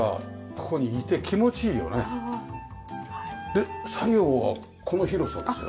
で作業はこの広さですよね？